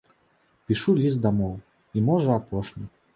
Пішу ліст дамоў, і, можа, апошні.